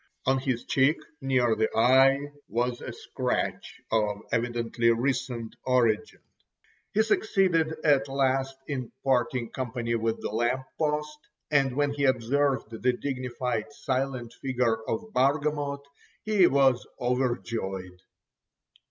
On his cheek near the eye was a scratch of evidently recent origin. He succeeded at last in parting company with the lamp post, and when he observed the dignified silent figure of Bargamot he was overjoyed.